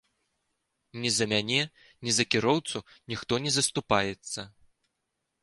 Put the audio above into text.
Ні за мяне, ні за кіроўцу ніхто не заступаецца.